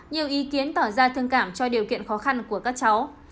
nhiều ý kiến tỏ ra thương cảm cho điều kiện khó khăn của các cháu